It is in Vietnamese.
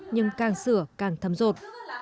nhưng càng sửa càng thấm rột